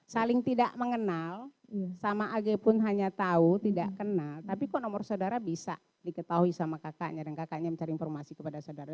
saling tidak mengenal sama ag pun hanya tahu tidak kenal tapi kok nomor saudara bisa diketahui sama kakaknya dan kakaknya mencari informasi kepada saudara